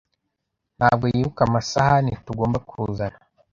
Ntabwo yibuka amasahani tugomba kuzana.